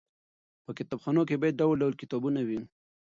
په کتابخانو کې باید ډول ډول کتابونه وي.